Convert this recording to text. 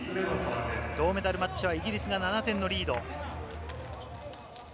銅メダルマッチはイギリスが７点のリード。